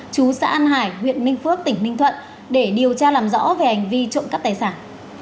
chú xã an hải huyện ninh phước tỉnh ninh thuận để điều tra làm rõ về hành vi trộm cắp tài sản